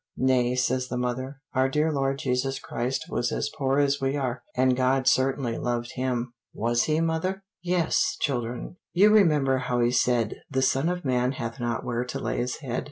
"Nay," says the mother, "our dear Lord Jesus Christ was as poor as we are, and God certainly loved him." "Was he, mother?" "Yes, children; you remember how he said, 'The Son of man hath not where to lay his head.'